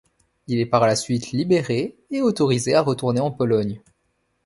Il est par la suite libéré et autorisé à retourner en Pologne.